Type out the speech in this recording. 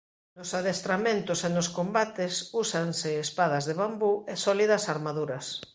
Nos adestramentos e nos combates úsanse espadas de bambú e sólidas armaduras.